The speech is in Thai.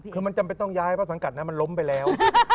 คือมันจำเป็นต้องย้ายเพราะสังกัดนั้นมันล้มไปแล้ว